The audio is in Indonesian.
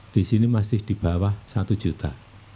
di sini masih di bawah satu juta